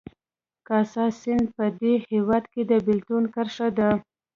کاسای سیند په دې هېواد کې د بېلتون کرښه ده